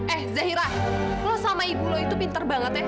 eh zahira lo sama ibu lo itu pinter banget ya